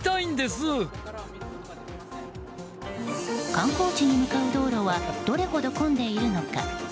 観光地に向かう道路はどれほど混んでいるのか。